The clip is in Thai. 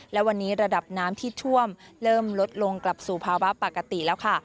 และวันนี้ระดับน้ำที่ท่วมเริ่มลดลงกลับสู่ภาวะปกติแล้วค่ะ